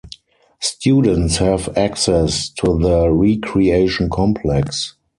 Students have access to the recreation complex.